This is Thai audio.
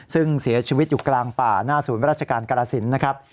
ซึ่งเสียชีวิตอยู่กลางป่าหน้าศูนย์ราชการกรสินนะครับ